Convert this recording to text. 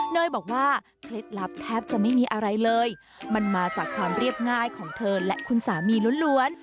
โดยบอกว่าเคล็ดลับแทบจะไม่มีอะไรเลยมันมาจากความเรียบง่ายของเธอและคุณสามีล้วน